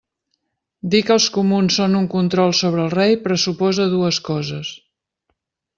Dir que els comuns són un control sobre el rei pressuposa dues coses.